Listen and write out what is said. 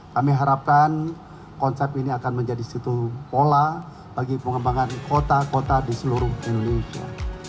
kami harapkan konsep ini akan menjadi situ pola bagi pengembangan kota kota di seluruh indonesia